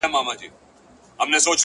• ټوله ژوند په نعمتونو کي روزلي -